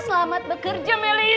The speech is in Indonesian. selamat bekerja melis